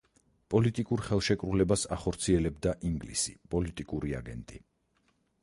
პოლიტიკურ ხელშეკრულებას ახორციელებდა ინგლისი პოლიტიკური აგენტი.